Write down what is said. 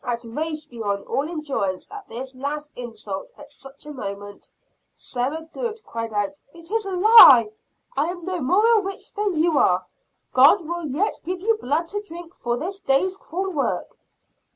Outraged beyond all endurance at this last insult at such a moment, Sarah Good cried out: "It is a lie! I am no more a witch than you are. God will yet give you blood to drink for this day's cruel work!"